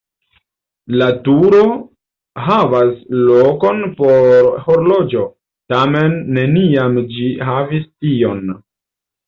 La turo havas lokon por horloĝo, tamen neniam ĝi havis tion.